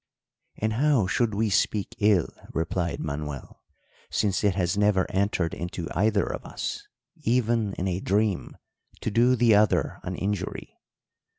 "'And how should we speak ill,' replied Manuel, 'since it has never entered into either of us, even in a dream, to do the other an injury?